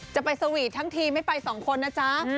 จะไปสวีททั้งทีไม่ไปสองคนนะจ๊ะ